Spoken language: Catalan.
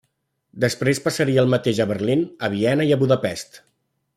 Després passaria el mateix a Berlín, a Viena i a Budapest.